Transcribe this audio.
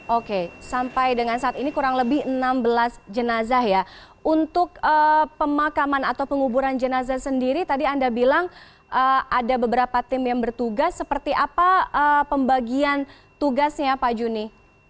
oke sampai dengan saat ini kurang lebih enam belas jenazah ya untuk pemakaman atau penguburan jenazah sendiri tadi anda bilang ada beberapa tim yang bertugas seperti apa pembagian tugasnya pak juni